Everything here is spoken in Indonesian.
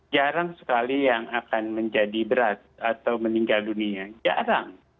jarang sekali yang akan menjadi berat atau meninggal dunia jarang